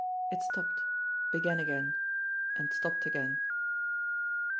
It stopped; began again; and stopped again.